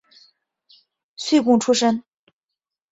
岁贡出身。